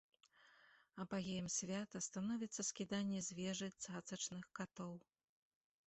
Апагеем свята становіцца скіданне з вежы цацачных катоў.